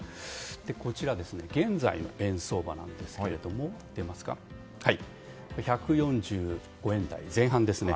こちら、現在の円相場なんですが１４５円台前半ですね。